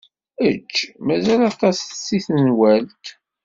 Ečč. Mazal aṭas deg tenwalt.